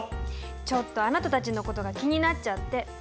ちょっとあなたたちのことが気になっちゃって。